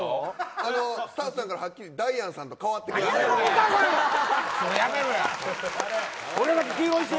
スタッフさんからはっきり、ダイアンさんと代わってくださいって。